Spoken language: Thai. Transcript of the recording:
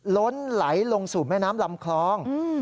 ล้นไหลลงสู่แม่น้ำลำคลอง